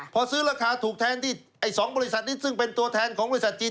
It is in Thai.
พอซื้อราคาถูกแทนที่ไอ้๒บริษัทนี้ซึ่งเป็นตัวแทนของบริษัทจีน